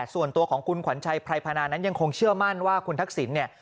ส่วนตัวของคุณขวัญชัยไพรพนานั้นยังคงเชื่อมั่นว่าคุณทักษิณเนี่ย